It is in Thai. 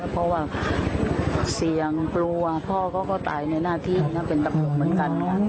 เพราะว่าเสี่ยงกลัวพ่อเขาก็ตายในหน้าที่นะเป็นตำรวจเหมือนกัน